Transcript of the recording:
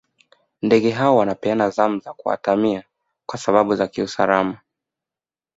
ndege hao wanapeana zamu za kuatamia kwa sababu za kiusalama